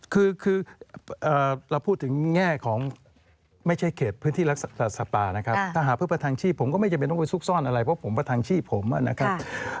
คือเราพูดถึงแง่ของไม่ใช่เขตพื้นที่รักษาสปานะครับถ้าหาเพื่อประทังชีพผมก็ไม่จำเป็นต้องไปซุกซ่อนอะไรเพราะผมประทังชีพผมนะครับ